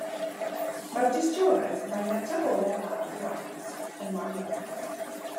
Mae'r dystiolaeth mai metaboledd araf ydy'r achos yn wan iawn.